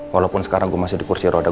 walaupun sekarang gue masih di kursi roda